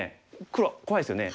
黒怖いですよね。